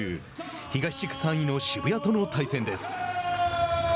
東地区３位の渋谷との対戦です。